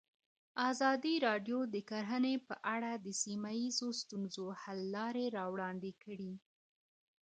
ازادي راډیو د کرهنه په اړه د سیمه ییزو ستونزو حل لارې راوړاندې کړې.